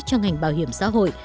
cho ngành bảo hiểm xã hội